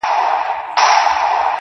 • تا ولي په مسکا کي قهر وخندوئ اور ته.